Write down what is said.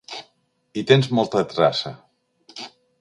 Hi tens molta traça.